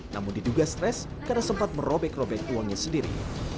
namun diduga stres karena sempat merobek robek uangnya sendiri